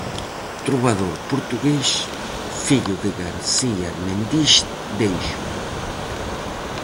Trobador portugués, fillo de García Mendiz d'Eixo.